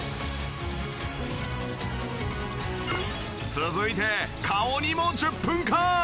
続いて顔にも１０分間。